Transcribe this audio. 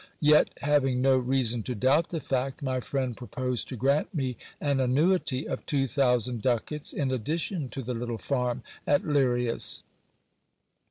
Yet having no reason to doubt the fact, my friend proposed to grant me an annuity of two thousand ducats, in addition to the little farm at Lirias.